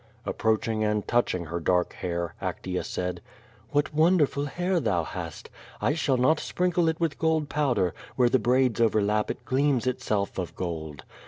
Approaching and touching her dark hair, Actea said: "What wonderful hair thou hast! I shall not sprinkle H with gold powder; where the braids overlap it gleams itself of gold.